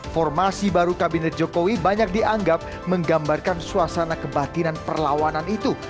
formasi baru kabinet jokowi banyak dianggap menggambarkan suasana kebatinan perlawanan itu